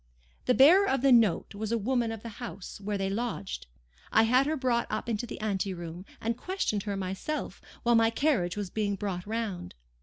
The bearer of the note was the woman of the house where they lodged. I had her brought up into the anteroom, and questioned her myself, while my carriage was being brought round.